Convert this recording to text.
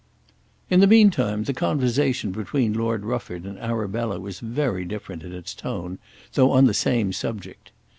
In the meantime, the conversation between Lord Rufford and Arabella was very different in its tone, though on the same subject.